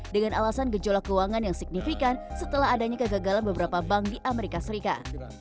dengan alasan gejolak keuangan yang signifikan setelah adanya kegagalan beberapa bank di amerika serikat